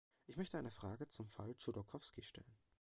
Ich möchte eine Frage zum Fall Chodorkowski stellen.